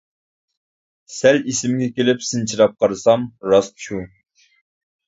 سەل ئېسىمگە كېلىپ سىنچىلاپ قارىسام راست شۇ!